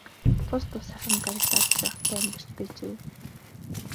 Тус тусынхаа гаригт аз жаргалтай амьдарч байжээ.